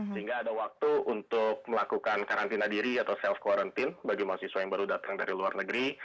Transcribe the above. sehingga ada waktu untuk melakukan karantina diri atau self quarantine bagi mahasiswa yang baru datang dari luar negeri